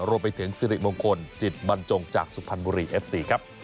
ชื้อบันจงจากครับ